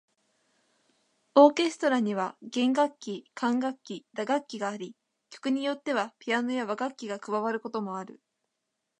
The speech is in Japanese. オーケストラには弦楽器、管楽器、打楽器があり、曲によってはピアノや和楽器が加わることもある。